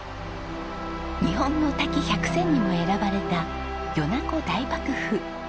日本の滝１００選にも選ばれた米子大瀑布。